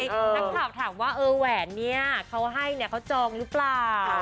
นักขอบถามว่าแหวนเจ้าให้เขาจองหรือเปล่า